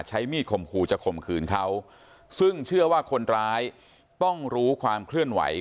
ใช้มีดข่มขู่จะข่มขืนเขาซึ่งเชื่อว่าคนร้ายต้องรู้ความเคลื่อนไหว